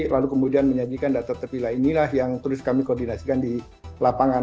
lalu kemudian menyajikan data terpilah inilah yang terus kami koordinasikan di lapangan